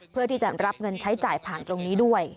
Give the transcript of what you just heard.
เพื่อที่จะรับเงินใช้จ่ายผ่านตรงนี้ด้วย